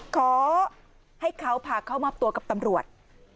ขอให้เขาพาเข้ามอบตัวกับตำรวจ